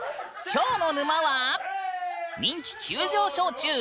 きょうの沼は人気急上昇中！